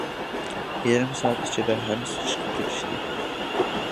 يېرىم سائەت ئىچىدە ھەممىسى چىقىپ كېتىشتى.